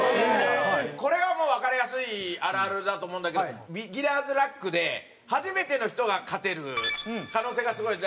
これはもうわかりやすいあるあるだと思うんだけどビギナーズラックで初めての人が勝てる可能性がすごい。